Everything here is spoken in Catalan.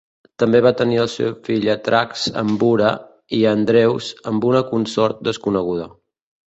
També va tenir al seu fill Atrax amb Bura, i a Andreus amb una consort desconeguda.